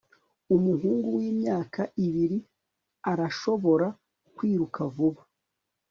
Umuhungu wimyaka ibiri arashobora kwiruka vuba